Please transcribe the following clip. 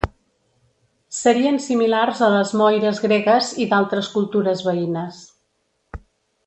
Serien similars a les moires gregues i d'altres cultures veïnes.